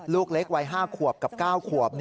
ลูกเล็กวัย๕ขวบกับ๙ขวบ